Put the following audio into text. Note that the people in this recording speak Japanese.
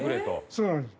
そうなんです。